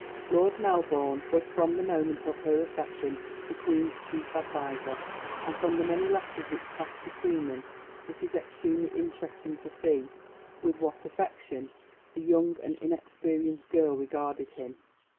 Lord Melbourne was from the moment of her accession the Queen's chief adviser, and from the many letters which passed between them it is extremely interesting to see with what affection the young and inexperienced girl regarded him.